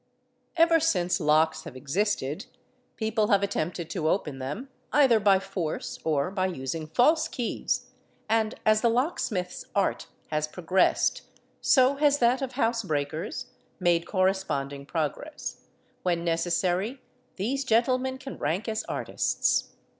Ever since locks have existed people have attempted to open them either by force or by using false keys, and as the locksmith's art has pro _ gressed so has that of housebreakers made corresponding progress—when | necessary these gentlemen can rank as artists.